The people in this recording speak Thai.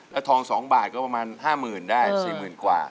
ก็ทอง๒บาทก็ประมาณ๕หมื่นได้๔หมื่นกว่า